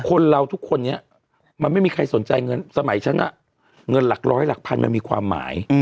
คนเราทุกคนนี้มันไม่มีใครสนใจเงินสมัยฉันเงินหลักร้อยหลักพันมันมีความหมาย